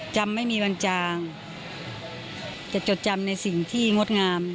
จำไม่มีวันจางจะจดจำในสิ่งที่งดงาม